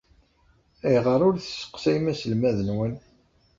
Ayɣer ur tesseqsayem aselmad-nwen?